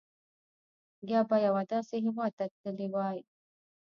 یا به یوه داسې هېواد ته تللي وای.